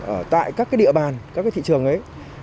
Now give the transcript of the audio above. ở tại các địa bàn các thị trường ấy